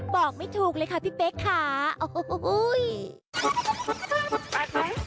บอกไม่ถูกเลยค่ะพี่เป๊กค่ะโอ้โห